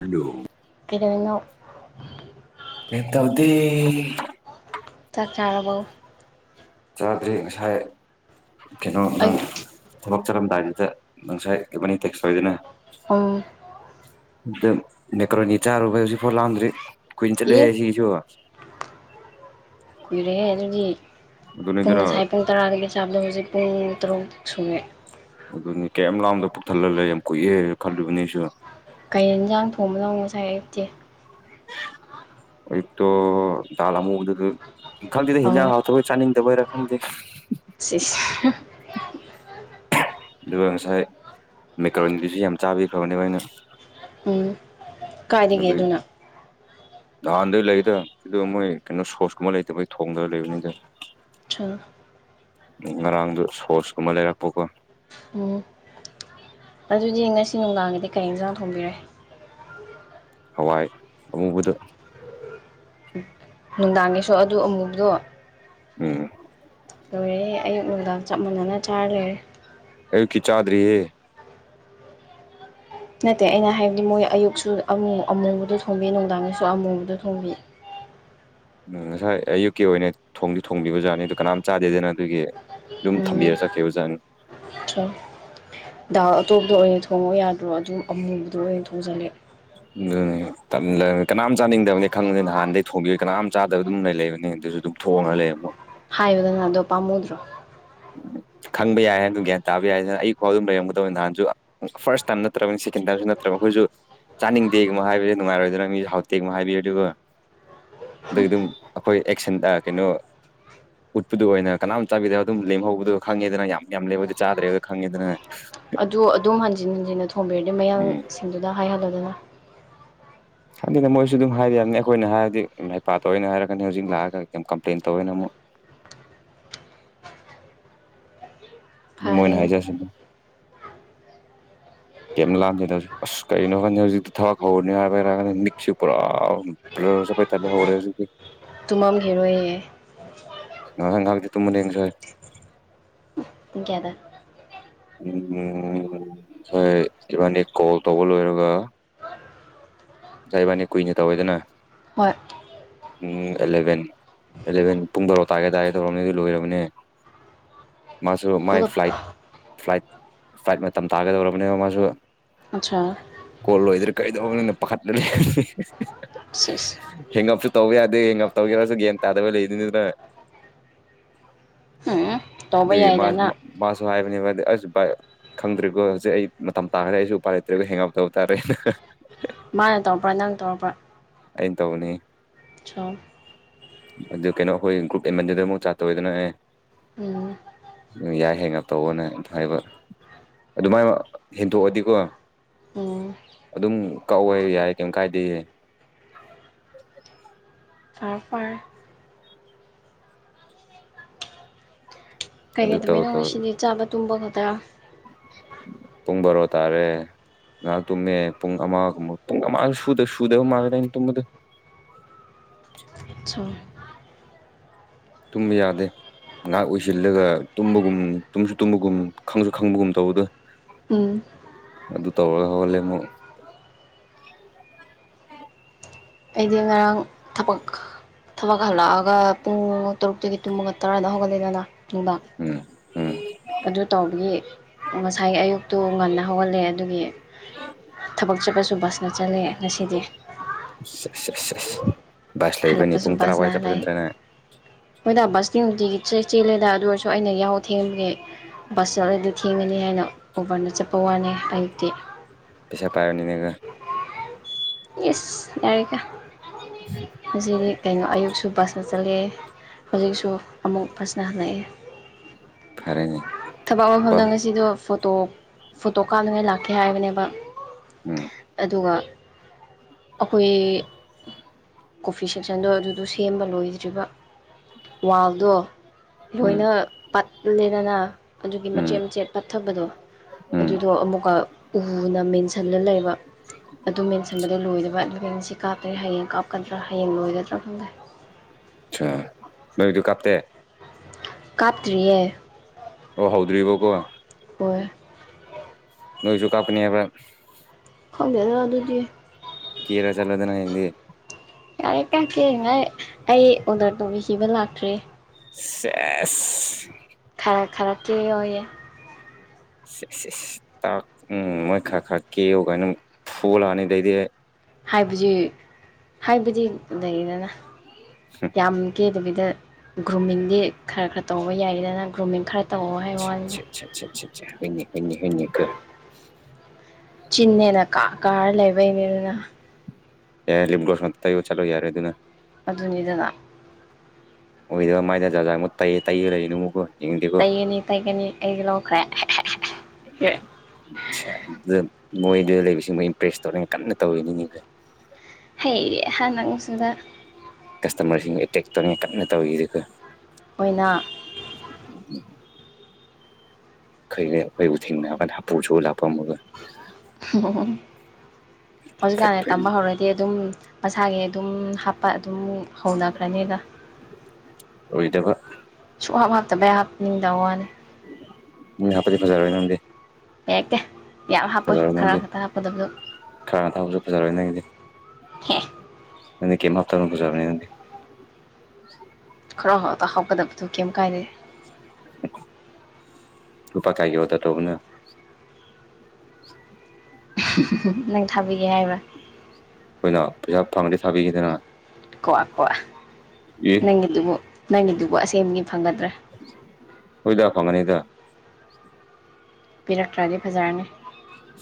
hello ꯀꯩꯗꯧꯔꯤꯅꯣ ꯀꯩꯝ ꯇꯧꯗꯦ ꯆꯥꯛ ꯆꯔꯕꯣ ꯆꯥꯗ꯭ꯔꯦ ꯉꯁꯥꯏ ꯀꯩꯅꯣ ꯅꯪ ꯑꯩ ꯊꯕꯛ ꯆꯠꯂꯝꯗꯥꯏꯗꯨꯗ ꯉꯁꯥꯏ ꯏꯕꯅꯤ ꯇꯦꯛꯁ ꯇꯧꯏꯗꯅ ꯑꯥ ꯑꯗ ꯃꯦꯀ꯭ꯔꯣꯅꯤ ꯆꯥꯔꯨꯕ ꯍꯧꯖꯤꯛꯐꯥꯎ ꯂꯥꯡꯗ꯭ꯔꯤ ꯀꯨꯏꯟ ꯆꯠꯂꯤꯍꯦ ꯑꯦ ꯁꯤꯒꯤꯁꯨ ꯀꯨꯏꯔꯦꯍꯦ ꯑꯗꯨꯗꯤ ꯄꯨꯡ ꯑꯗꯨꯅꯤꯗꯅ ꯉꯁꯥꯏ ꯄꯨꯡ ꯇꯔꯥꯗꯒꯤ ꯆꯥꯕꯗꯣ ꯍꯧꯖꯤꯛ ꯄꯨꯡ ꯇꯔꯨꯛ ꯁꯨꯉꯦ ꯑꯗꯨꯅꯦ ꯀꯩꯝ ꯂꯥꯝꯗ ꯄꯨꯛ ꯊꯟꯂ ꯂꯩꯌꯦ ꯌꯥꯝ ꯀꯨꯏꯌꯦ ꯈꯜꯂꯨꯕꯅꯤ ꯑꯩꯁꯨ ꯀꯩ ꯏꯟꯁꯥꯡ ꯊꯣꯡꯕꯅꯣ ꯉꯁꯥꯏ ꯑꯩꯌꯨꯛꯇꯤ ꯑꯌꯨꯛꯇꯣ ꯗꯥꯜ ꯑꯃꯨꯕꯗꯒꯤ ꯈꯡꯗꯦꯗ ꯑꯧ ꯍꯤꯟꯖꯥꯡ ꯍꯥꯎꯇꯕꯩꯔ ꯆꯥꯅꯤꯡꯗꯕꯩꯔ ꯈꯪꯗꯦ ꯁꯤꯁ ꯑꯗꯨꯒ ꯉꯁꯥꯏ ꯃꯦꯀꯥꯔꯣꯅꯤꯗꯨꯁꯨ ꯌꯥꯝ ꯆꯥꯕꯤ ꯈꯔ꯭ꯕꯅꯦ ꯑꯩꯅ ꯎꯝ ꯀꯥꯏꯗꯒꯤ ꯑꯗꯨꯒꯤ ꯑꯗꯨꯅ ꯅꯍꯥꯟꯗꯩ ꯂꯩꯗ ꯁꯤꯗ ꯃꯣꯏ ꯀꯩꯅꯣ ꯁꯣꯁꯀꯨꯝꯕ ꯂꯩꯇꯕꯩ ꯊꯣꯡꯗꯅ ꯂꯩꯕꯅꯤꯗ [unintelligible] ꯉꯔꯥꯡꯗꯣ ꯁꯣꯁꯀꯨꯝꯕ ꯂꯩꯔꯛꯄꯀꯣ ꯎꯝ ꯑꯗꯨꯗꯤ ꯉꯁꯤ ꯅꯨꯡꯗꯥꯡꯒꯤꯗꯤ ꯀꯔꯤ ꯏꯟꯁꯥꯡ ꯊꯣꯡꯕꯤꯔꯦ ꯍꯋꯥꯏ ꯑꯨꯡꯕꯗ ꯅꯨꯡꯗꯥꯡꯒꯤꯁꯨ ꯑꯗꯨ ꯑꯃꯨꯕꯗꯣ ꯎꯝ ꯂꯣꯏꯔꯦꯍꯦ ꯑꯌꯨꯛ ꯅꯨꯡꯗꯥꯡ ꯆꯞ ꯃꯥꯅꯅ ꯆꯥꯔ ꯂꯩꯔꯦ ꯑꯌꯨꯛꯀꯤ ꯆꯥꯗꯔꯤꯍꯦ ꯅꯠꯇꯦ ꯑꯩꯅ ꯍꯥꯏꯕꯗꯤ ꯃꯣꯏ ꯑꯌꯨꯛꯁꯨ ꯑꯃꯨ ꯑꯃꯣꯕꯗꯣ ꯊꯣꯡꯕꯤ ꯅꯨꯡꯗꯥꯡꯒꯤꯁꯨ ꯑꯃꯣꯕꯗꯣ ꯊꯣꯡꯕꯤ [inaudible] ꯎꯝ ꯉꯁꯥꯏ ꯑꯌꯨꯛꯀꯤ ꯑꯣꯏꯅ ꯊꯣꯡꯗꯤ ꯊꯣꯡꯕꯤꯕꯖꯥꯠꯅꯤ ꯑꯗꯨ ꯀꯅꯥꯝ ꯆꯥꯗꯦꯗꯅ ꯑꯗꯨꯒꯤ ꯑꯗꯨꯝ ꯊꯝꯕꯤꯔ ꯆꯠꯈꯤꯕꯖꯥꯠꯅꯦ ꯗꯥꯥꯜ ꯑꯇꯣꯞꯄꯇ ꯑꯣꯏꯅ ꯊꯣꯡꯉꯣ ꯌꯥꯗ꯭ꯔꯣ ꯑꯗꯨꯝ ꯑꯃꯨꯕꯗꯣ ꯑꯣꯏꯅ ꯊꯣꯡꯖꯤꯜꯂꯦ ꯑꯗꯨꯅꯤ ꯇꯟꯂꯦ ꯀꯅꯥꯝ ꯆꯥꯅꯤꯡꯗꯕꯅꯤ ꯈꯪꯂꯅꯤ ꯅꯍꯥꯟꯗꯩꯩ ꯊꯣꯡꯗꯣꯏ ꯀꯅꯥꯝ ꯆꯥꯗꯕ ꯑꯗꯨꯝ ꯂꯩ ꯂꯩꯕꯅꯤ ꯑꯗꯨꯝ ꯊꯣꯛꯑꯉꯒ ꯂꯩ ꯃꯣꯢ ꯍꯥꯏꯌꯨꯗꯅ ꯑꯗꯣ ꯄꯥꯝꯃꯨꯗ꯭ꯔꯣ ꯈꯪꯕ ꯌꯥꯏ ꯍꯥꯏ ꯑꯗꯨ ꯒ꯭ꯌꯥꯟ ꯇꯥꯕ ꯌꯥꯏꯅ ꯑꯌꯨꯛꯐꯥꯎ ꯑꯗꯨꯝ ꯂꯩꯔꯝꯒꯗꯕꯅꯤ ꯅꯍꯥꯟꯁꯨ ꯐꯔꯁ ꯇꯥꯏꯝ ꯅꯠꯇ꯭ꯔꯝꯅꯤ ꯁꯦꯀꯦꯟ ꯇꯥꯏꯃꯁꯨ ꯅꯠꯇ꯭ꯔꯝꯅꯤ ꯆꯥꯅꯤꯡꯗꯦꯒꯨꯝꯕ ꯍꯥꯏꯕꯁꯦ ꯅꯨꯡꯉꯥꯏꯔꯣꯏꯗꯅ ꯃꯤꯁꯨ ꯍꯥꯎꯇꯦꯒꯨꯝꯕ ꯍꯥꯏꯕꯤꯔꯗꯤꯀꯣ ꯑꯗꯨꯒꯤ ꯑꯗꯨꯝ ꯑꯩꯈꯣꯏ ꯑꯦꯛꯁꯟ ꯀꯩꯅꯣ ꯎꯠꯄꯗꯨ ꯑꯣꯏꯅ ꯀꯅꯥꯝ ꯆꯥꯕꯤꯗꯕ ꯑꯗꯨꯝ ꯂꯦꯝꯍꯧꯕꯗꯣ ꯈꯪꯉꯦꯗꯅ ꯌꯥꯝ ꯌꯥꯝ ꯂꯦꯝꯕꯗꯣ ꯆꯥꯗ꯭ꯔꯦꯗꯣ ꯈꯪꯉꯦꯗꯅ ꯑꯗꯨ ꯑꯗꯨꯝ ꯍꯟꯖꯤꯟ ꯍꯟꯖꯤꯟꯅ ꯊꯣꯝꯕꯤꯔꯗꯤ ꯎꯝ ꯃꯌꯥꯡꯁꯤꯡꯗꯨꯗ ꯍꯥꯏꯍꯜꯂꯨꯗꯅ ꯈꯪꯗꯦꯗ ꯃꯣꯏꯁꯨ ꯑꯗꯨꯝ ꯍꯥꯏꯕ ꯌꯥꯕꯅꯤ ꯑꯩꯈꯣꯏꯅ ꯍꯥꯏꯔꯗꯤ ꯍꯩꯄꯥ ꯇꯧꯑꯦꯅ ꯍꯥꯏꯔꯛꯀꯅꯤ ꯍꯧꯖꯤꯛ ꯂꯥꯛꯑꯒ ꯀꯝꯄ꯭ꯂꯦꯟ ꯇꯧꯋꯦꯅ ꯑꯃꯨꯛ [inaudible] ꯃꯣꯏꯅ ꯐꯔꯦꯅꯦ ꯍꯥꯏꯖꯔꯁꯥꯅꯨ ꯀꯩꯝ ꯂꯥꯝꯗꯦꯗ ꯍꯧꯖꯤꯛ ꯑꯁ ꯀꯩꯅꯣ ꯈꯪꯗꯦ ꯍꯧꯖꯤꯛꯇꯤ ꯊꯋꯥꯛ ꯍꯧꯔꯅꯤ ꯍꯥꯏꯕꯩꯔ ꯃꯤꯛꯁꯦ ꯄꯨꯔꯥ ꯕꯂꯔ ꯆꯠꯄꯩ ꯇꯥꯏꯄꯇꯥ ꯍꯧꯔꯦ ꯍꯧꯖꯤꯛꯇꯤ ꯇꯨꯝꯃꯝꯈꯤꯔꯣꯏꯌꯦ ꯉꯍꯥꯛ ꯉꯍꯥꯛꯇꯤ ꯇꯨꯝꯕꯅꯦ ꯉꯁꯥꯢ ꯄꯨꯡ ꯀꯌꯥꯗ ꯄꯨꯡꯁꯦ ꯏꯕꯥꯅꯤ ꯀꯣꯜ ꯇꯧꯕ ꯂꯣꯏꯔꯒ ꯉꯁꯥꯏ ꯢꯕꯅꯤ ꯀꯨꯏꯅ ꯇꯧꯋꯤꯗꯅ ꯍꯣꯏ ꯄꯨꯡ ꯑꯦꯂꯚꯦꯟ ꯑꯦꯂꯚꯦꯟ ꯄꯨꯡ ꯕꯥꯔꯣ ꯇꯥꯒꯦ ꯇꯥꯒꯦ ꯇꯧꯔꯕꯅꯤ ꯑꯗꯨ ꯂꯣꯏꯔꯕꯅꯦ ꯃꯥꯁꯨ ꯃꯥꯏ ꯑꯗꯨꯒ ꯐ꯭ꯂꯥꯏꯠ ꯐ꯭ꯂꯥꯏꯠ ꯐ꯭ꯂꯥꯏꯠ ꯃꯇꯝ ꯇꯥꯒꯗꯧꯔꯕꯅꯦꯕ ꯃꯥꯁꯨ ꯑꯆꯥ ꯀꯣꯜ ꯂꯣꯏꯗ꯭ꯔꯤ ꯀꯩꯗꯧꯕꯅꯣꯅ ꯄꯥꯈꯠꯄꯥꯅꯦ ꯁꯤꯁ ꯍꯦꯡꯎꯞꯁꯨ ꯇꯧꯕ ꯌꯥꯗꯦ ꯡꯞ ꯇꯧꯒꯦꯔꯁꯨ ꯒꯌ꯭ꯥꯟ ꯇꯥꯗꯕ ꯂꯩꯗꯣꯏꯅꯤꯗꯅ ꯎꯝ ꯇꯧꯕ ꯑꯗꯨꯒꯤ ꯃꯥ ꯌꯥꯏꯗꯅ ꯃꯥꯁꯨ ꯍꯥꯏꯕꯅꯤꯕ ꯑꯁ ꯚꯥꯢ ꯈꯪꯗꯔ꯭ꯦꯀꯣ ꯍꯧꯖꯤꯛ ꯑꯩ ꯃꯇꯝ ꯇꯥꯈꯔꯦ ꯑꯩꯁꯨ ꯎꯄꯥꯏ ꯂꯩꯇ꯭ꯔꯦꯀꯣ ꯍꯦꯡꯎꯞ ꯇꯧꯕ ꯇꯥꯔꯦꯅ ꯃꯥꯅ ꯇꯧꯔꯛꯄꯔꯥ ꯅꯪ ꯇꯧꯔꯛꯄꯔꯥ ꯑꯩꯅ ꯇꯧꯅꯤ ꯆꯥꯜ ꯑꯗꯨ ꯀꯩꯅꯣ ꯑꯩꯈꯣꯏ ꯒ꯭ꯔꯨꯞ ꯑꯦꯃꯟꯗꯨꯗ ꯑꯃꯨꯛ ꯆꯥꯠꯇꯧꯋꯤꯗꯅ ꯑꯩ ꯎꯝ ꯌꯥꯏ ꯍꯥꯏꯅ ꯇꯧꯑꯣꯅ ꯑꯗꯨꯃꯥꯏꯅ ꯍꯦꯟꯗꯣꯛꯑꯗꯤꯀꯣ ꯎꯝ ꯑꯗꯨꯝ ꯀꯛꯋꯦ ꯌꯥꯏ ꯀꯩꯝ ꯀꯥꯏꯗꯦ [inaudible] ꯐꯔꯦ ꯐꯔꯦ ꯀꯩ ꯑꯗꯨ ꯇꯧ ꯀꯩꯗꯕꯅꯣ ꯇꯧ ꯉꯁꯤꯗꯤ ꯆꯥꯕ ꯇꯨꯝꯕ ꯈꯛꯇꯔ ꯄꯨꯡ ꯕꯥꯔꯣ ꯇꯥꯔꯦ ꯉꯥꯏꯍꯥꯛ ꯇꯨꯝꯃꯦ ꯄꯨꯡ ꯑꯃꯒꯨꯝ ꯄꯨꯡ ꯑꯃ ꯁꯨꯗꯕ ꯃꯥꯜꯂꯦꯗ ꯑꯩꯅ ꯇꯨꯝꯕꯗ [unintelligible] ꯇꯨꯨꯝꯕ ꯌꯥꯗꯦ ꯉꯥꯏꯍꯥꯛ ꯑꯣꯏꯁꯤꯜꯂꯒ ꯇꯨꯝꯕꯒꯨꯝ ꯇꯨꯝꯁꯨ ꯇꯨꯝꯕꯒꯨꯝ ꯈꯪꯁꯨ ꯈꯪꯕꯒꯨꯝ ꯇꯧꯕꯗꯣ ꯎꯝ ꯑꯗꯨ ꯇꯧꯔꯒ ꯍꯧꯍꯜꯂꯦ ꯑꯃꯨꯛ ꯑꯩꯗꯤ ꯉꯔꯥꯡ ꯊꯕꯛ ꯊꯕꯛ ꯍꯜꯂꯛꯑꯒ ꯄꯨꯡ ꯇꯔꯨꯛꯇꯒꯤ ꯇꯨꯃꯒ ꯇꯔꯥꯗ ꯍꯧꯒꯠꯂꯦꯗꯅ ꯅꯨꯡꯗꯥꯡ ꯎꯝ ꯎꯝ ꯑꯗꯨ ꯇꯧꯕꯒꯤ ꯉꯁꯥꯏ ꯑꯌꯨꯛ ꯇꯨ ꯉꯟꯅ ꯍꯧꯒꯜꯂꯦ ꯑꯗꯨꯒꯤ ꯊꯕꯛ ꯆꯠꯄꯁꯨ ꯕꯁꯅ ꯆꯠꯂꯦ ꯉꯁꯤꯗꯤ ꯁꯦꯁ ꯁꯦꯁ ꯁꯦꯁ ꯕꯥꯁ ꯂꯩꯕꯅꯤ ꯍꯜꯂꯛꯄꯁꯨ ꯄꯨꯡ ꯇꯔꯥ ꯋꯥꯏ ꯕꯁꯅ ꯍꯜꯂꯛꯑꯦ ꯆꯠꯄꯁꯤꯗ꯭ꯔꯦꯅꯦ ꯍꯣꯏꯗ ꯕꯁꯀꯤ ꯅꯨꯡꯇꯤꯒꯤ ꯆꯦꯜꯂꯦꯗ ꯑꯗꯨ ꯑꯣꯏꯔꯁꯨ ꯑꯩꯅ ꯌꯥꯍꯧ ꯊꯦꯡꯕꯒꯦ ꯕꯁ ꯆꯠꯂꯗꯤ ꯊꯦꯡꯒꯅꯤ ꯍꯥꯏꯅ ꯎꯕꯔꯅ ꯆꯠꯄ ꯋꯥꯅꯦ ꯑꯌꯨꯛꯇꯤ ꯄꯩꯁꯥ ꯄꯥꯏꯔꯅꯤꯅꯦꯒ ꯏꯁ ꯌꯥꯔꯦꯀꯣ ꯍꯧꯖꯤꯛꯗꯤ ꯀꯩꯅꯣ ꯑꯌꯨꯛꯁꯨ ꯕꯁ ꯆꯠꯂꯦ ꯍꯧꯖꯤꯛꯁꯨ ꯑꯃꯨꯛ ꯕꯁꯅ ꯍꯜꯂꯛꯑꯦ ꯐꯔꯦꯅꯦ ꯊꯕꯛ ꯕꯥ ꯃꯐꯝꯗ ꯉꯁꯤꯗꯣ ꯐꯣꯇꯣ ꯐꯣꯇꯣ ꯀꯥꯞꯅꯤꯡꯉꯥꯏ ꯂꯥꯛꯀꯦ ꯍꯥꯏꯕꯅꯦꯕ ꯎꯝ ꯑꯗꯨꯒ ꯑꯩꯈꯣꯏ ꯀꯣꯐꯤ ꯁꯦꯛꯁꯟꯗꯣ ꯑꯗꯨꯗꯣ ꯁꯦꯝꯕ ꯂꯣꯏꯗ꯭ꯔꯤꯕ ꯋꯥꯜꯗꯣ ꯎꯝ ꯂꯣꯏꯅ ꯄꯠꯂꯦꯗꯅ ꯑꯗꯨꯒꯤ ꯎꯝ ꯃꯆꯦꯠ ꯃꯆꯦꯠ ꯄꯠꯊꯕꯗꯣ ꯎꯝ ꯑꯗꯨꯗꯣ ꯑꯃꯨꯛꯀ ꯎꯅ ꯃꯦꯟꯁꯤꯜꯂ ꯂꯩꯕ ꯑꯗꯨ ꯃꯦꯟꯁꯤꯟꯕꯗꯣ ꯂꯣꯏꯗꯕ ꯑꯗꯨꯒꯤ ꯉꯁꯤ ꯀꯥꯞꯄꯦ ꯍꯌꯦꯡ ꯀꯥꯞꯀꯗ꯭ꯔꯥ ꯍꯌꯦꯡ ꯂꯣꯏꯒꯗ꯭ꯔꯥ ꯈꯪꯗ꯭ꯔꯦ ꯑꯁꯥ ꯅꯣꯏꯗꯨ ꯀꯥꯞꯇꯦ ꯀꯥꯞꯇ꯭ꯔꯤꯌꯦ ꯑꯣ ꯍꯧꯗ꯭ꯔꯤꯕꯀꯣ ꯍꯣꯏ ꯅꯣꯏꯁꯨ ꯀꯥꯞꯀꯅꯤꯕ ꯈꯪꯗꯦꯗ ꯑꯗꯨꯗꯤ ꯀꯦꯔꯥ ꯆꯥꯠꯂꯣꯗꯅ ꯍꯌꯦꯡꯗꯤ ꯌꯥꯔꯦ ꯀꯦꯅꯤꯉꯥꯏ ꯑꯩ ꯑꯣꯗꯔ ꯇꯧꯕꯤꯈꯤꯕ ꯂꯥꯛꯇ꯭ꯔꯤ ꯁꯦꯁ ꯈꯔ ꯈꯔ ꯀꯦꯌꯣꯌꯦ ꯁꯦꯁ ꯁꯦꯁ ꯇꯣ ꯎꯝ ꯃꯣꯏ ꯈꯔ ꯈꯔ ꯀꯦꯌꯨ ꯀꯥꯏꯅ ꯐꯨꯒꯠꯂꯛꯑꯅꯤꯗꯩꯗꯤ ꯍꯥꯏꯕꯖꯤ ꯍꯥꯏꯕꯗꯤ ꯂꯩꯗꯅ ꯍꯨꯝ ꯌꯥꯝ ꯀꯦꯗꯕꯤꯗ ꯒ꯭ꯔꯨꯃꯤꯡꯗꯤ ꯈꯔ ꯈꯔ ꯇꯧꯕ ꯌꯥꯏꯗꯅ ꯒ꯭ꯔꯨꯃꯤꯡ ꯈꯔ ꯇꯧꯋꯣ ꯍꯥꯏꯕ ꯋꯥꯅꯤꯗ [unintelligible] ꯍꯣꯏꯅꯦ ꯍꯣꯏꯅꯦ ꯍꯣꯏꯅꯦꯀꯣ ꯆꯤꯟꯅꯦꯅ ꯀꯥ ꯀꯥꯔ ꯂꯩꯕꯩꯅꯤꯗꯅ ꯑꯦ ꯂꯤꯞꯒꯣꯁ ꯉꯥꯛꯇ ꯇꯧꯌꯣ ꯆꯠꯂꯣ ꯌꯥꯔꯦ ꯑꯗꯨꯅ ꯑꯗꯨꯅꯤꯗꯅ ꯑꯣꯏꯗ ꯃꯥꯏꯗ ꯖꯥꯠ ꯖꯥꯠ ꯑꯃꯨꯛ ꯇꯩ ꯇꯩꯂꯩꯅꯨꯃꯨꯀ ꯇꯩꯒꯅꯤ ꯇꯩꯒꯅꯤ ꯑꯩꯗꯤ ꯂꯧꯈ꯭ꯔꯦ [unintelligible] ꯃꯣꯏꯗ ꯂꯩꯕꯁꯤꯡꯕꯨ ꯏꯝꯄ꯭ꯔꯦꯁ ꯇꯧꯅꯤꯡꯉꯥꯏ ꯀꯟꯅ ꯇꯧꯔꯤꯅꯤꯅꯦ ꯍꯩꯍꯥ ꯅꯪꯁꯨꯗ ꯀꯁꯇꯃꯔꯁꯤꯡ ꯑꯦꯇꯦꯛ ꯇꯧꯅꯤꯉꯏ ꯀꯥꯟꯅ ꯇꯧꯔꯤꯗꯤꯀꯣ ꯑꯣꯏꯅ ꯑꯩꯈꯣꯏꯗꯤ ꯑꯩꯈꯣꯏꯕꯨ ꯊꯦꯡꯅꯕꯗ ꯍꯥꯄꯨ ꯆꯨꯂꯥꯛ ꯍꯨꯝ ꯍꯧꯖꯤꯛꯀꯥꯟ ꯐꯠꯇꯣꯏꯅꯤ ꯇꯥꯝꯕ ꯍꯧꯔꯗꯤ ꯑꯗꯨꯝ ꯃꯁꯥꯒꯤ ꯑꯗꯨꯝ ꯍꯥꯞꯄ ꯑꯗꯨꯝ ꯍꯧꯅꯈ꯭ꯔꯅꯤꯗ ꯑꯣꯏꯗꯕ ꯁꯨꯝꯍꯥꯞ ꯍꯥꯞ ꯇꯕꯩ ꯍꯥꯞꯅꯤꯡꯗꯋꯥꯅꯤ ꯃꯤ ꯍꯥꯄꯗꯤ ꯐꯖꯥꯔꯣꯏꯅꯪꯗꯤ ꯌꯦꯀꯦ ꯌꯥꯝ ꯍꯥꯞꯄꯣꯏ ꯈꯔ ꯈꯛꯇꯪ ꯍꯥꯞꯀꯗꯕꯗꯣ ꯈꯔ ꯊꯥꯕꯁꯨ ꯐꯖꯔꯣꯏ ꯅꯪꯗꯤ ꯍꯦ ꯅꯪꯗꯤ ꯀꯦꯝ ꯍꯥꯞꯇꯕꯅ ꯐꯥꯖꯕꯅꯤ ꯅꯪꯗꯤ ꯈꯔ ꯈꯛꯇ ꯍꯥꯞꯀꯗꯕꯗꯥ ꯀꯦꯝ ꯀꯥꯏꯗꯦ ꯂꯩꯄꯥ ꯀꯥꯏꯒꯤ ꯑꯣꯗꯔ ꯇꯧꯕꯅꯣ [unintelligible] ꯅꯪ ꯊꯥꯕꯤꯒꯦ ꯍꯥꯏꯕ ꯑꯩꯈꯣꯏꯅ ꯄꯩꯁꯥ ꯐꯪꯉꯗꯤ ꯊꯥꯕꯤꯒꯦꯗꯅ ꯀꯣꯌ ꯀꯣꯌ ꯑꯦ ꯅꯪꯒꯤꯗꯨꯕꯨ ꯅꯪꯒꯤꯗꯨꯕꯨ ꯑꯁꯦꯡꯕꯒꯤ ꯐꯪꯒꯗ꯭ꯔꯥ ꯍꯣꯏꯗ ꯐꯪꯒꯅꯤꯗ ꯄꯤꯔꯛꯇ꯭ꯔꯗꯤ ꯐꯖꯥꯔꯅꯤ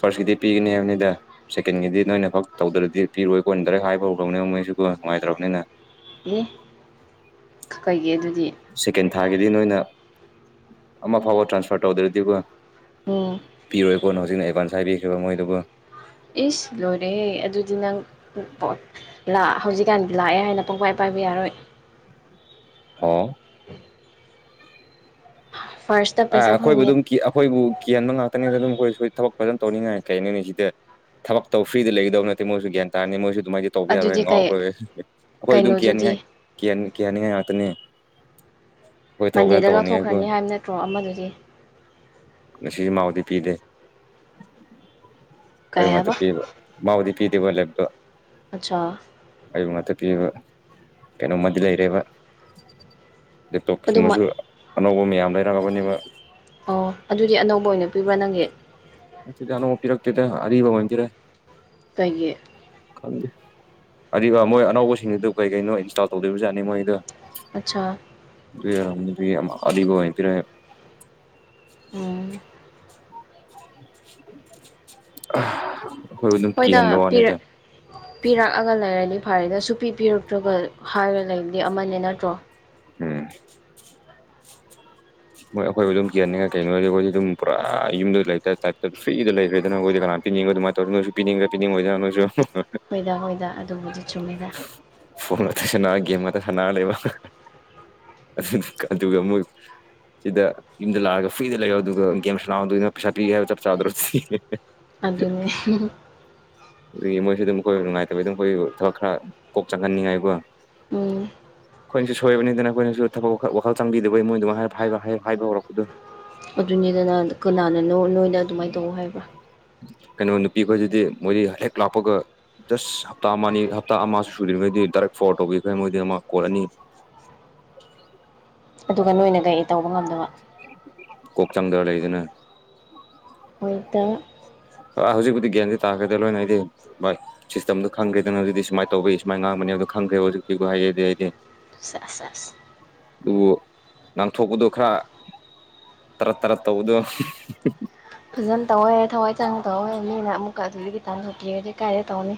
ꯐꯥꯔꯁꯀꯤꯗꯤ ꯄꯤꯒꯅꯤ ꯍꯥꯏꯕꯅꯤꯗ ꯁꯦꯀꯦꯟꯒꯤꯗꯤ ꯅꯣꯏꯅ ꯐꯛ ꯇꯧꯗ꯭ꯔꯗꯤ ꯄꯤꯔꯣꯏ ꯀꯣꯟꯅ ꯗꯥꯏꯔꯦꯛ ꯍꯥꯏꯕ ꯍꯧꯈ꯭ꯔꯕꯅꯦ ꯃꯣꯏ ꯑꯩꯁꯨꯀꯣ ꯅꯨꯡꯉꯥꯏꯇ꯭ꯔꯕꯅꯤꯅ ꯑꯦ ꯀꯩꯒꯤꯑꯗꯨ ꯁꯦꯀꯦꯟ ꯊꯥꯔꯒꯤꯗꯤ ꯅꯣꯏꯅ ꯑꯃ ꯐꯥꯎꯕ ꯇ꯭ꯔꯥꯟꯁꯐꯔ ꯇꯧꯗ꯭ꯔꯗꯤꯀꯣ ꯎꯝ ꯄꯤꯔꯣꯏꯀꯣꯅ ꯍꯧꯖꯤꯛꯅ ꯑꯦꯗꯚꯥꯟꯁ ꯍꯥꯏꯕꯤꯈꯤꯕ ꯃꯣꯏꯗꯨꯀꯣ ꯏꯁ ꯂꯣꯏꯔꯦ ꯑꯗꯨꯗꯤ ꯅꯪ [unintelligible] ꯍꯧꯖꯤꯛꯀꯥꯟꯗꯤ ꯂꯥꯛꯑꯦ ꯍꯥꯏꯅ ꯄꯪꯄꯥꯏ ꯄꯥꯏ ꯌꯥꯔꯣꯏ ꯍꯣ [inaudible] ꯑ ꯄꯩꯁꯥ ꯑꯩꯈꯣꯏꯕꯨ ꯐꯪꯉꯦ ꯑꯗꯨꯝ ꯑꯩꯈꯣꯏꯕꯨ ꯀꯤꯍꯟꯕ ꯉꯥꯛꯇꯅꯤꯗ ꯑꯗꯨꯝ ꯑꯩꯈꯣꯏ ꯁꯨꯏ ꯊꯕꯛ ꯐꯖꯅ ꯇꯧꯅꯤꯡꯉꯥꯏ ꯀꯩꯅꯣꯅꯤ ꯁꯤꯗ ꯊꯕꯛ ꯇꯧ ꯐ꯭ꯔꯤꯗ ꯂꯩꯒꯗꯧ ꯅꯠꯇꯦ ꯃꯣꯏꯁꯨ ꯒ꯭ꯌꯥꯟ ꯇꯥꯅꯤ ꯃꯣꯏꯁꯨ ꯑꯗꯨꯃꯥꯏꯗꯤ ꯇꯧꯕ ꯌꯥꯔꯣꯏ ꯑꯗꯨꯗꯤ ꯉꯥꯎꯈ꯭ꯔ ꯀꯩ ꯑꯩꯈꯣꯏ ꯑꯗꯨꯝ ꯀꯩꯅꯣꯗꯨꯗꯤ ꯀꯤꯍꯅꯤꯡꯉꯥꯏ ꯀꯤꯍꯟꯅꯤꯡꯉꯥꯏ ꯉꯥꯛꯇꯅꯤꯛ ꯃꯟꯗꯦꯗ ꯂꯧꯊꯣꯛꯈ꯭ꯔꯅꯤ ꯍꯥꯏꯕ ꯅꯠꯇ꯭ꯔꯣ ꯑꯃꯗꯨꯗꯤ ꯉꯁꯤ ꯃꯥꯎꯗꯤ ꯄꯤꯗꯦ ꯀꯩ ꯑꯍꯨꯛ ꯉꯥꯛꯇ ꯍꯥꯏꯕ ꯄꯤꯕ ꯃꯥꯗꯗꯎꯗꯤ ꯄꯤꯗꯦꯕꯣ ꯂꯦꯣ ꯑꯆꯥ ꯄꯤꯔꯕ ꯀꯩꯅꯣꯝꯃꯗꯤ ꯂꯩꯔꯦꯕ ꯂꯦꯞꯇꯣꯞ ꯑꯗꯨꯃ ꯁꯨꯝꯕꯁꯨ ꯑꯅꯧꯕ ꯃꯌꯥꯝ ꯂꯩꯔꯛꯂꯕꯅꯦꯕ ꯑꯣ ꯑꯗꯨꯗꯤ ꯑꯅꯧꯕ ꯑꯣꯏꯅ ꯄꯤꯕ꯭ꯔꯥ ꯅꯪꯒꯤ ꯅꯠꯇꯦꯗ ꯑꯅꯧꯕ ꯄꯤꯔꯛꯛꯇꯗ ꯑꯔꯤꯕꯟꯗꯔꯦ ꯇꯒꯤ ꯑꯗꯨ ꯃꯣꯏ ꯑꯅꯧꯕꯁꯤꯡꯗꯨ ꯀꯩ ꯀꯩꯅꯣ ꯏꯟꯁꯇꯣꯜ ꯇꯧꯗꯣꯏꯕꯖꯠꯅꯤ ꯃꯣꯏꯒꯤꯗꯨ ꯑꯆꯥ ꯌꯥꯔ ꯑꯔꯤꯕ ꯑꯣꯏ ꯄꯤꯔꯦ ꯎꯝ [unintelligible] ꯍꯣꯏꯗ ꯀꯤꯍꯟꯕ ꯄꯤꯔ ꯋꯥꯅꯤꯗ ꯄꯤꯔꯛꯑꯒ ꯂꯩꯔꯗꯤ ꯐꯔꯦꯗ ꯁꯨꯄꯤ ꯄꯤꯔꯛꯇ꯭ꯔꯒ ꯍꯥꯏꯔꯒ ꯂꯩꯕꯗꯤ ꯑꯃꯅꯦ ꯅꯠꯇ꯭ꯔꯣ ꯎꯝ ꯃꯣꯏ ꯑꯩꯈꯣꯏꯕꯨ ꯑꯗꯨꯝ ꯀꯦꯟꯅꯤꯡꯉ ꯀꯩꯅꯣꯗꯤ ꯑꯩꯈꯣꯏꯗꯤ ꯑꯗꯨꯝ ꯄꯨꯔꯥ ꯌꯨꯝꯗ ꯂꯩꯇ ꯐ꯭ꯔꯤꯗ ꯂꯩꯈ꯭ꯔꯦꯗꯅ ꯑꯩꯈꯣꯏꯗꯤ ꯀꯅꯥ ꯄꯤꯅꯤꯡꯕ ꯑꯗꯨꯥꯏꯅ ꯇꯧꯔ ꯅꯣꯏꯁꯨ ꯄꯤꯅꯤꯡꯕ ꯄꯅꯤꯡꯉꯣꯏꯗꯅ ꯅꯣꯏꯁꯨ ꯍꯣꯏꯗ ꯍꯣꯏꯗ ꯑꯗꯨꯕꯨꯗꯤ ꯆꯨꯝꯃꯤꯗ [unintelligible] ꯅꯅꯥ ꯂꯩꯦꯕ ꯑꯗꯨꯒꯒ ꯑꯃꯨ ꯁꯤꯗ ꯌꯨꯝꯗ ꯂꯥꯛꯑꯒ ꯐ꯭ꯔꯤꯗ ꯂꯩ ꯑꯗꯨꯒ ꯒꯦꯝꯁ ꯁꯥꯅꯧꯋꯣ ꯂꯥꯛꯗ ꯄꯩꯁꯥ ꯄꯤꯒꯦ ꯍꯥꯏꯕ ꯆꯞ ꯆꯥꯗ꯭ꯔꯣ ꯑꯗꯨꯅꯤ ꯑꯗꯨꯒꯤ ꯃꯣꯏꯁꯨ ꯑꯗꯨꯝ ꯑꯩꯈꯣꯏ ꯅꯨꯡꯉꯥꯏꯇꯕꯩ ꯑꯗꯨꯝ ꯑꯩꯈꯣꯏ ꯊꯕꯛ ꯈꯔ ꯀꯣꯛ ꯆꯪꯍꯟꯅꯤꯡꯉꯥꯏꯀꯣ ꯎꯝ ꯑꯩꯈꯣꯏꯅꯁꯨ ꯁꯣꯏꯕꯅꯤꯅ ꯑꯩꯈꯣꯏꯁꯨ ꯊꯕꯛꯈ ꯋꯥꯈꯜ ꯆꯪꯕꯤꯗꯕꯒꯤ ꯃꯣꯏꯗꯨꯃ ꯍꯥꯏ ꯍꯥꯏꯕ ꯍꯧꯔꯛꯄꯗꯨ ꯑꯗꯨꯅꯤꯗꯅ ꯀꯅꯥꯅꯅꯣ ꯅꯣꯏꯅ ꯑꯗꯨꯃꯥꯏꯅ ꯇꯧ ꯍꯥꯏꯕ꯭ꯔꯥ ꯀꯩꯅꯣ ꯅꯨꯄꯤ ꯈꯣꯏꯗꯗꯤ ꯃꯣꯏꯗꯤ ꯍꯦꯛ ꯂꯥꯛꯄꯒ ꯖꯁ ꯍꯞꯇꯥ ꯑꯃꯅꯤ ꯍꯞꯇꯥ ꯑꯃꯁꯨ ꯁꯨꯗ꯭ꯔꯤꯉꯩꯗꯤ ꯗꯥꯏꯔꯦꯛ ꯐꯣꯔꯋꯥꯠ ꯇꯧꯕꯤꯈ꯭ꯔꯦ ꯃꯣꯏꯗꯤ ꯑꯃ ꯀꯣꯜꯂꯅꯤ ꯑꯗꯨꯒ ꯅꯣꯏꯅ ꯀꯩ ꯇꯧꯕ ꯉꯝꯗꯕ ꯀꯣꯛ ꯆꯪꯗꯕ ꯂꯩꯗꯅ ꯍꯣꯏꯗ ꯑꯥ ꯍꯧꯖꯤꯛꯄꯗꯤ ꯒ꯭ꯌꯥꯁ ꯇꯥꯈ꯭ꯔꯗ ꯂꯣꯏꯅ ꯑꯩꯗꯤ ꯁꯤꯁꯇꯦꯝꯗꯣ ꯈꯪꯈ꯭ꯔꯦꯗꯅ ꯍꯧꯖꯤꯛꯇ ꯁꯨꯃꯥꯏꯅ ꯇꯧꯕꯤ ꯁꯨꯃꯥꯏꯅ ꯉꯥꯡꯕꯅꯤ [unintelligible] ꯈꯪꯈ꯭ꯔꯦ ꯍꯧꯖꯤꯛꯇꯤ ꯍꯥꯏ ꯑꯗꯨꯗꯤ ꯍꯥꯏꯗꯤ ꯁꯦꯁ ꯁꯦꯁ ꯑꯗꯨꯕꯨ ꯉꯥꯡꯊꯣꯛꯄꯗꯣ ꯈꯔ ꯇꯔꯠ ꯇꯔꯠ ꯇꯧꯕꯗꯣ ꯐꯖꯅ ꯇꯧꯋꯦ ꯊꯋꯥꯏ ꯆꯪ ꯇꯧꯋꯦ ꯃꯤꯅ ꯑꯃꯨꯛꯀ ꯑꯗꯨ ꯈꯤ ꯇꯥꯟꯁꯨꯄꯤꯔꯗꯤ ꯀꯥꯏꯔꯦ ꯇꯧꯅꯤ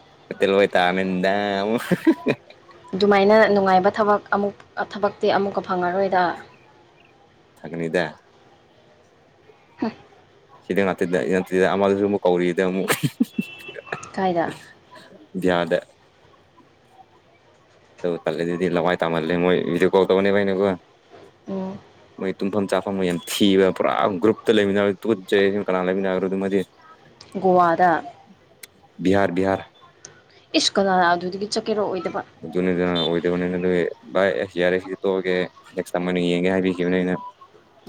[unintelligible] [unintelligible] [unintelligible] ꯑꯗꯨꯃꯥꯏꯅ ꯅꯨꯡꯉꯥꯏꯕ ꯊꯕꯛ ꯑꯃꯨꯛ ꯊꯕꯛꯇꯤ ꯑꯃꯨꯛꯀ ꯐꯪꯉꯔꯣꯏꯗ ꯊꯛꯀꯅꯤꯗ ꯍꯥ ꯁꯤꯗ ꯉꯥꯛꯇꯗ [unintelligible] ꯑꯃꯗꯁꯨ ꯑꯃꯨꯛ ꯀꯧꯔꯤꯗ ꯑꯃꯨꯛ ꯀꯥꯏꯗ ꯕꯤꯍꯥꯔꯗ [unintelligible] ꯂꯥꯋꯥꯏ ꯇꯥꯃꯜꯂꯦ ꯃꯣꯏ ꯚꯤꯗꯤꯌꯣ ꯀꯣꯜ ꯇꯧꯅꯤꯕ ꯃꯣꯏ ꯑꯣ ꯃꯣꯏ ꯇꯨꯝꯐꯝ ꯆꯥꯐꯝꯒ ꯌꯥꯝ ꯊꯤꯕ ꯄꯨꯔꯥ ꯒ꯭ꯔꯨꯞꯇ ꯂꯩꯃꯤꯟꯅ ꯇꯨꯠꯆꯩ ꯀꯅꯥ ꯂꯩꯃꯤꯟꯅꯈ꯭ꯔꯗꯤꯗꯤ ꯒꯣꯋꯥꯗ ꯕꯤꯍꯥꯔ ꯕꯤꯍꯥꯔ ꯏꯁ ꯀꯅꯥꯅ ꯑꯗꯨꯗꯒꯤ ꯆꯠꯀꯦꯔꯣ ꯑꯩ UNINTELLIGIBLE UNINTELLIGIBLE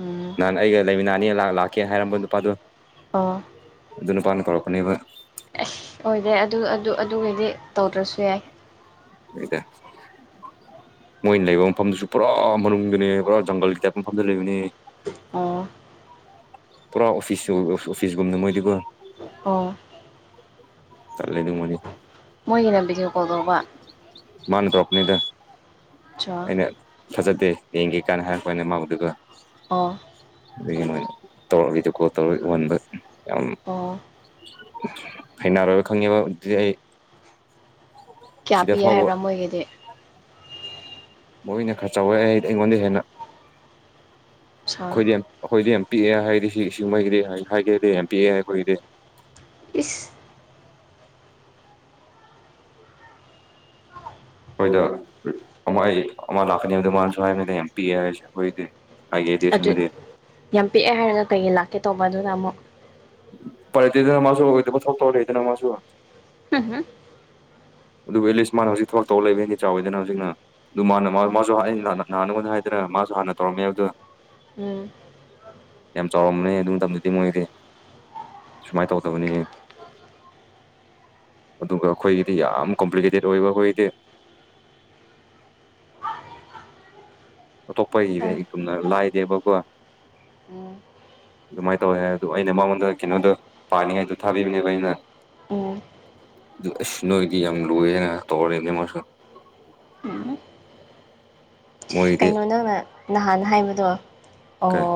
ꯎꯝ ꯅꯍꯥꯟ ꯑꯩꯒ ꯂꯩꯃꯤꯅꯥꯅꯤ ꯂꯥꯛ ꯂꯥꯛꯀꯦ ꯍꯥꯏꯔꯝꯕ ꯅꯨꯄꯥꯗꯨ ꯑꯣ ꯑꯗꯨ ꯅꯨꯄꯥꯅ ꯀꯧꯔꯛꯄꯅꯦꯕ ꯍꯣꯏꯗ ꯑꯗꯨ ꯑꯗꯨ ꯑꯗꯨꯒꯤꯗꯤ ꯇꯧꯗ꯭ꯔꯁꯨ ꯌꯥꯏ INAUDIBLE ꯃꯣꯏꯅ ꯂꯩꯕ ꯃꯐꯝꯗꯨꯁꯨ ꯄꯨꯔꯥ ꯃꯅꯨꯡꯗꯅꯦ ꯄꯨꯔꯥ ꯖꯪꯒꯜꯒꯤ ꯇꯥꯏꯞ ꯃꯐꯝꯗ ꯂꯩꯕꯅꯦ ꯑꯣꯑꯣ ꯄꯨꯔꯥ ꯑꯣꯐꯤꯁꯁꯨ ꯑꯣꯐꯤꯁꯒꯨꯝꯅ ꯃꯣꯏꯗꯤꯀꯣ ꯑꯣ ꯆꯠꯂꯦꯗꯥ ꯃꯣꯏꯗꯤ ꯃꯣꯏꯒꯤꯅ ꯚꯤꯗꯤꯑꯣ ꯀꯣꯜ ꯇꯧꯕ ꯃꯥꯅ ꯇ꯭ꯧꯔꯛꯄꯅꯤꯗ ꯆꯥ ꯐꯖꯗꯦ ꯌꯦꯡꯒꯦ ꯀꯥꯏꯅ ꯍꯥꯏꯔꯛꯄꯅꯦ ꯃꯥꯕꯨ ꯗꯨꯒ ꯑꯣ ꯀꯔꯤꯒꯤ ꯅꯣꯏ ꯇꯧꯔ ꯚꯤꯗꯤꯑꯣꯀꯣꯜ ꯇꯧꯔ ꯎꯍꯟꯕ ꯌꯥꯝ ꯑꯣ ꯍꯩꯅꯔꯣꯏꯕ ꯈꯪꯉꯦꯕ ꯑꯗꯨꯗꯤ ꯑꯩ ꯀꯌꯥ ꯁꯤꯗ ꯄꯤ ꯐꯥꯎꯕ ꯍꯥꯏꯕ꯭ꯔꯥ ꯃꯣꯏꯒꯤꯗꯤ ꯃꯣꯏꯅ ꯈꯔ ꯆꯥꯎꯋꯦ ꯑꯩ ꯑꯩꯉꯣꯟꯗꯩ ꯍꯦꯟꯅ ꯑꯆꯥ UNINTELLIGIBLE ꯄꯤꯛꯑꯦ ꯍꯥꯏꯔꯗꯤ ꯁꯤ ꯃꯣꯏꯒꯤꯗꯤ ꯍꯥ ꯍꯥꯏꯒꯦꯗꯤ ꯌꯥꯝ ꯄꯤꯛꯑꯦ ꯑꯩꯈꯣꯏꯒꯤꯗꯤ ꯏꯁ UNINTELLIGIBLE ꯑꯗꯨ ꯌꯥꯝ ꯄꯤꯛꯑꯦ ꯍꯥꯏꯔꯒ ꯀꯩꯒꯤ ꯂꯥꯛꯀꯦ ꯇꯧꯕ ꯑꯗꯨꯅ ꯑꯃꯨꯛ ꯎꯄꯥꯏ ꯂꯩꯇꯦꯗꯅ ꯃꯥꯖꯨ ꯑꯣꯏꯗꯕ ꯊꯥꯕꯛ ꯇꯧꯔꯗꯤ ꯃꯥꯁꯨ INAUDIBLE ꯑꯗꯨꯕꯨ ꯑꯦꯠꯂꯤꯁ ꯃꯥꯅ ꯍꯧꯖꯤꯛ ꯊꯕꯛ ꯇꯧ ꯂꯩꯕꯗꯤ ꯆꯥꯎꯋꯦꯗꯅ ꯍꯧꯖꯤꯛꯅ ꯑꯗꯨ ꯃꯥꯅ ꯃꯥ ꯃꯥꯖꯨ ꯍꯥ ꯑꯩꯅ ꯅꯍꯥꯟ ꯅꯉꯣꯟꯗ ꯍꯥꯏꯗꯅ ꯑꯥ ꯃꯥꯖꯨ ꯍꯥꯟꯅ ꯇꯧꯔꯝꯃꯦ ꯍꯥꯏꯕꯗꯨ INAUDIBLE ꯌꯥꯝ ꯆꯥꯎꯔꯝꯃꯅꯦ ꯑꯗꯨ ꯃꯇꯝꯗꯗꯤ ꯃꯣꯏꯗꯤ ꯁꯨꯃꯥꯏ ꯇꯧꯗꯕꯅꯦ ꯑꯗꯨꯒ ꯑꯩꯈꯣꯏꯒꯤꯗꯤ ꯌꯥꯝ ꯀꯣꯝꯄ꯭ꯂꯤꯀꯦꯇꯦꯠ ꯑꯣꯏꯕ ꯑꯈꯣꯏꯒꯤꯗꯤ ꯍꯣꯏ ꯑꯇꯣꯞꯄꯒꯤꯗꯩ ꯒꯨꯝꯅ ꯂꯥꯏꯗꯦꯕꯀꯣ INAUDIBLE ꯑꯗꯨꯃꯥꯏ ꯇꯧꯋꯦ ꯍꯥꯏ ꯑꯗꯨ ꯑꯩꯅ ꯃꯉꯣꯟꯗ ꯀꯩꯅꯣꯗꯨ ꯄꯥꯅꯤꯉꯥꯏꯗꯣ ꯊꯥꯕꯤꯕꯅꯦꯕ ꯑꯩꯅ ꯎꯝ ꯑꯗꯨ ꯑꯥꯁ ꯅꯣꯏꯗꯤ ꯌꯥꯝ ꯂꯨꯏꯑꯦꯅꯥ ꯇꯧꯔ ꯂꯩꯝꯃꯦ ꯃꯥꯁꯨ ꯎꯝ ꯀꯩꯅꯣ ꯅꯪꯅ ꯅꯍꯥꯟ ꯍꯥꯏꯕꯗꯣ ꯑꯣ ꯀꯩ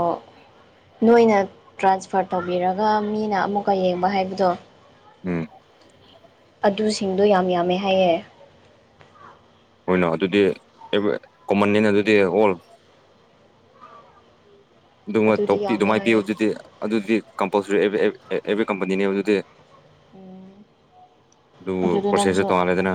ꯅꯣꯏꯅ ꯇ꯭ꯔꯥꯟꯁꯐꯔ ꯇꯧꯕꯤꯔꯒ ꯃꯤꯅ ꯑꯃꯨꯛꯀ ꯌꯦꯡꯕ ꯍꯥꯏꯕꯗꯣ INAUDIBLE ꯑꯗꯨꯁꯤꯡꯗꯣ ꯌꯥꯝ ꯌꯥꯝꯃꯦ ꯍꯥꯏꯌꯦ ꯍꯣꯏꯅ ꯑꯗꯨꯗꯤ ꯑꯦꯕ ꯀꯣꯃꯟꯅꯤꯅ ꯑꯗꯨꯗꯤ ꯍꯣꯜ ꯑꯗꯨꯗꯤ ꯌꯥꯝꯃꯦ ꯍꯥꯏꯌꯦ UNINTELLIGIBLE ꯀꯝꯄꯜꯁꯔꯤ ꯑꯦ ꯑꯦꯕ꯭ꯔꯤ ꯀꯝꯄꯅꯤꯅꯦ ꯑꯗꯨꯗꯤ ꯎꯝ ꯑꯗꯨꯕꯨ ꯑꯗꯨꯗꯣ ꯅꯪꯁꯨ ꯄ꯭ꯔꯣꯁꯦꯁꯁꯨ ꯇꯣꯡꯉꯥꯜꯂꯦꯗꯅ